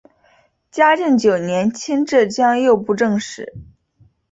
嘉靖九年迁浙江右布政使。